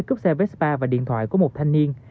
cướp xe vespa và điện thoại của một thanh niên